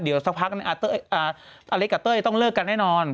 เขาวิเคราะห์กันว่าเดี๋ยวสักพักอาเล็กกับเต้ยต้องเลิกกันแน่นอน